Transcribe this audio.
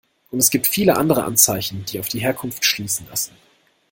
Und es gibt viele andere Anzeichen, die auf die Herkunft schließen lassen.